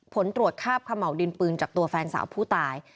ผลตรวจคาบขม่าวดินปืนจากตัวแฟนสาวผู้ตาย